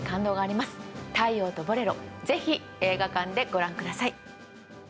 『太陽とボレロ』ぜひ映画館でご覧ください。